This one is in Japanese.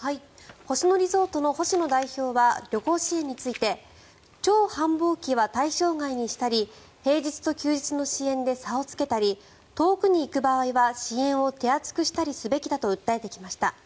星野リゾートの星野代表は旅行支援について超繁忙期は対象外にしたり平日と休日の支援で差をつけたり遠くに行く場合は支援を手厚くすべきだと訴えてきました。